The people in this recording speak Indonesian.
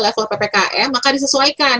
level ppkm maka disesuaikan